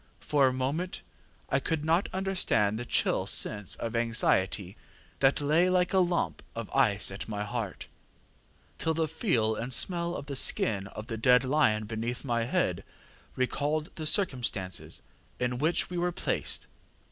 For a moment I could not understand the chill sense of anxiety that lay like a lump of ice at my heart, till the feel and smell of the skin of the dead lion beneath my head recalled the circumstances in which we were placed.